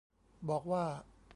บอกว่า